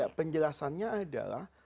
ya penjelasannya adalah